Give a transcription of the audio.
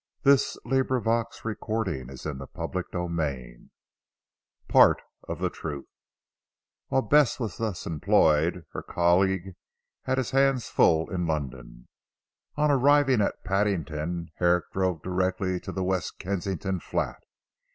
She went away with a sore heart. CHAPTER XVIII PART OF THE TRUTH While Bess was thus employed, her colleague had his hands full in London. On arriving at Paddington, Herrick drove directly to the West Kensington Flat.